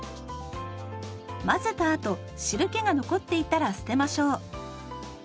混ぜたあと汁けが残っていたら捨てましょう。